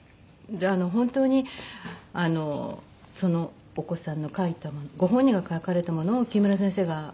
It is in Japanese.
本当にそのお子さんの書いたものご本人が書かれたものを木村先生が本になさる。